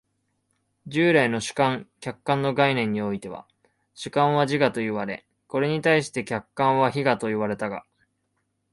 従来の主観・客観の概念においては、主観は自我といわれ、これに対して客観は非我と呼ばれたが、